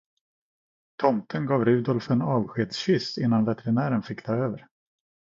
Tomten gav Rudolf en avskedskyss innan veterinären fick ta över.